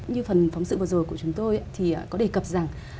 như phần phóng sự vừa rồi của chúng tôi thì có đề cập rằng